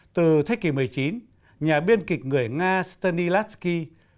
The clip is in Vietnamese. từ thế kỷ một mươi chín nhà biên kịch người nga stanislavski